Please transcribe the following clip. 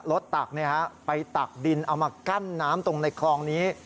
ตักไปตักดินเอามากั้นน้ำตรงในคลองนี้